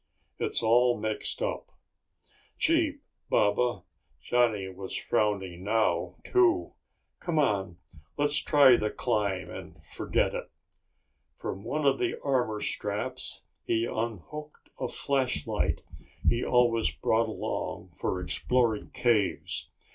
It is all mixed up." "Gee, Baba," Johnny was frowning now, too. "C'mon, let's try the climb and forget it." From one of the armor straps he unhooked a flashlight he always brought along for exploring caves.